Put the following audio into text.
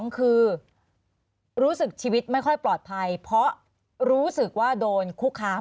๒คือรู้สึกชีวิตไม่ค่อยปลอดภัยเพราะรู้สึกว่าโดนคุกค้าง